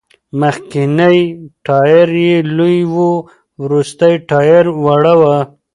مخکېنی ټایر یې لوی و، وروستی ټایر وړه و.